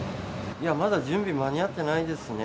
まだ準備、間に合ってないですね。